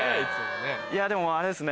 いやでもあれですね。